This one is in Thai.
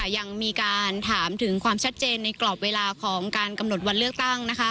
ยังมีการถามถึงความชัดเจนในกรอบเวลาของการกำหนดวันเลือกตั้ง